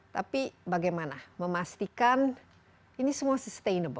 tapi bagaimana memastikan ini semua sustainable